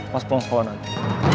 masuk pulang sekolah nanti